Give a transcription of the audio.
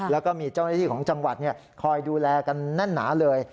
แล้วก็มีเจ้าหน้าที่ของจังหวัดคอยดูแลกันแน่นหนาเลย